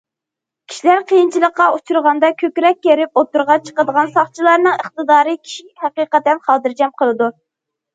كىشىلەر قىيىنچىلىققا ئۇچرىغاندا كۆكرەك كېرىپ ئوتتۇرىغا چىقىدىغان ساقچىلارنىڭ ئىقتىدارى كىشىنى ھەقىقەتەن خاتىرجەم قىلىدۇ.